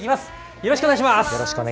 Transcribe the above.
よろしくお願いします。